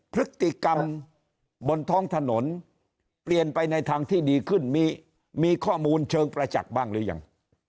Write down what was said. พฤติกรรมบนท้องถนนเปลี่ยนไปในทางที่ดีขึ้นมีข้อมูลเชิงประจักษ์บ้างหรือยัง